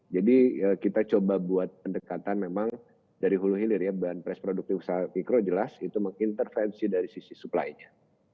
jadi kita coba buat pendekatan memang dari hulu hilir ya bahan transproduksi usaha mikro jelas itu intervensi dari sisi supply nya